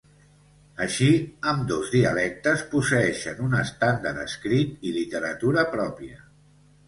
Així, ambdós dialectes posseeixen un estàndard escrit i literatura pròpia.